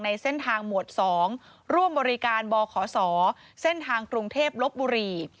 ในเส้นทางหมวด๒ร่วมบริการบขศเส้นทางกรุงเทพลบบุรี